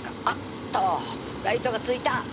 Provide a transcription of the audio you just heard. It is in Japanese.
あっとライトがついた！